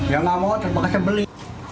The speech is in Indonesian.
yang nggak mau terpaksa beli